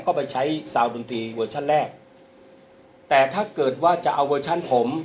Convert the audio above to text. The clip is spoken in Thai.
ก็ไปใช้ซาวดนตรีเวอร์ชันแรกแต่ถ้าเกิดว่าจะเอาเวอร์ชันผม